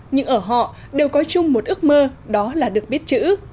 nhưng ở họ đều có chung một ước mơ đó là được biết chữ